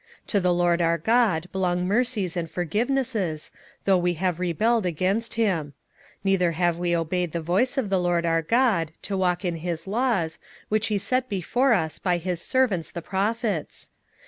27:009:009 To the Lord our God belong mercies and forgivenesses, though we have rebelled against him; 27:009:010 Neither have we obeyed the voice of the LORD our God, to walk in his laws, which he set before us by his servants the prophets.